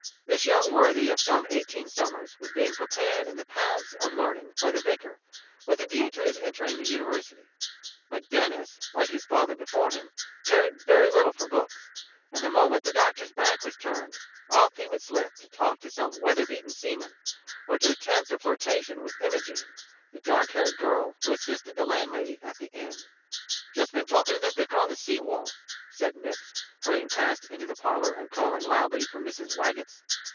This young worthy of some eighteen summers was being prepared in the paths of learning by the vicar with a view to his entering the university; but Denis, like his father before him, cared very little for books, and the moment the Doctor's back was turned, off he would slip to talk to some weather beaten seaman, or to attempt a flirtation with Imogene, the dark haired girl who assisted the landlady at the inn. "Just been talkin' to the vicar on the sea wall," said Mipps, hurrying past into the parlour and calling loudly for Mrs. Waggetts.